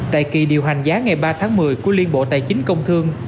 tại kỳ điều hành giá ngày ba tháng một mươi của liên bộ tài chính công thương